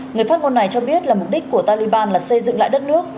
người phát ngôn này cho biết là mục đích của taliban là xây dựng lại đất nước